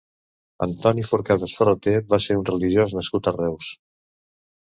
Antoni Forcades Ferraté va ser un religiós nascut a Reus.